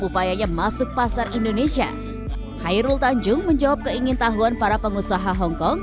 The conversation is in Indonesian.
upayanya masuk pasar indonesia hairul tanjung menjawab keingin tahuan para pengusaha hongkong